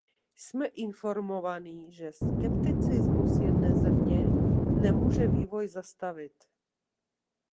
Jsme informováni, že skepticismus jedné země nemůže vývoj zastavit.